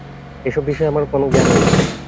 এসব বিষয়ে আমার কোনো জ্ঞান নেই।